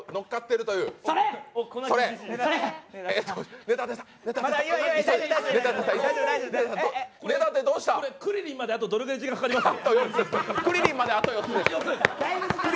これ、クリリンまでどれくらい時間かかります？